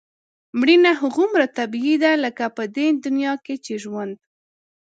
مړینه هغومره طبیعي ده لکه په دې دنیا کې چې ژوند.